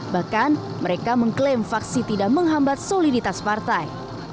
bahkan mereka mengklaim faksi tidak menghambat soliditas partai